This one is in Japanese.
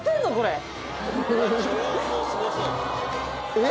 えっ？